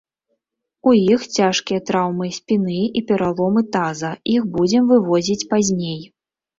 У іх цяжкія траўмы спіны і пераломы таза, іх будзем вывозіць пазней.